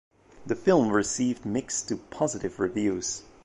The film received mixed to positive reviews.